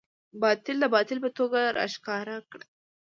باطل د باطل په توګه راښکاره کړه.